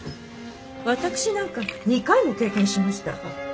私なんか２回も経験しました。